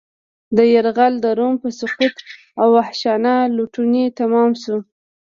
دا یرغل د روم په سقوط او وحشیانه لوټنې تمام شو